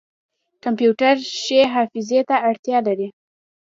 کمپیوټر ښې حافظې ته اړتیا لري.